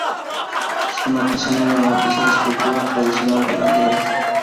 Su notación era la notación descriptiva tradicional del ajedrez.